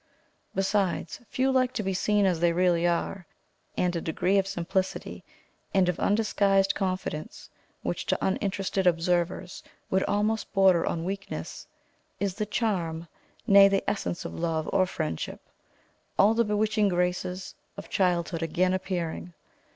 Besides, few like to be seen as they really are; and a degree of simplicity, and of undisguised confidence, which, to uninterested observers, would almost border on weakness, is the charm, nay the essence of love or friendship, all the bewitching graces of childhood again appearing.